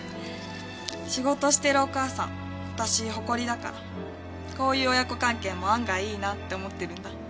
仕事してるお母さん私誇りだからこういう親子関係も案外いいなって思ってるんだ。